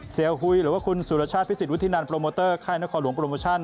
หุยหรือว่าคุณสุรชาติพิสิทธวุฒินันโปรโมเตอร์ค่ายนครหลวงโปรโมชั่น